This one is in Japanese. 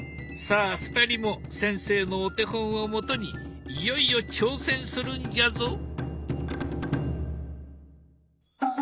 さあ二人も先生のお手本をもとにいよいよ挑戦するんじゃぞ。